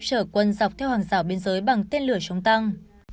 chở quân dọc theo hàng rào biên giới bằng tên lửa chống tăng